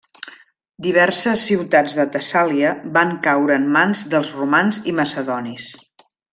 Diverses ciutats de Tessàlia van caure en mans dels romans i macedonis.